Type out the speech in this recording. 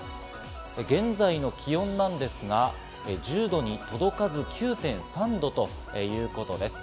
現在の気温なんですが１０度に届かず、９．３度ということです。